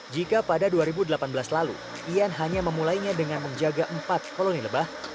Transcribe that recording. jika pada dua ribu delapan belas lalu ian hanya memulainya dengan menjaga empat koloni lebah